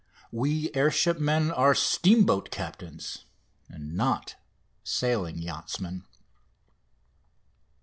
We air shipmen are steamboat captains and not sailing yachtsmen.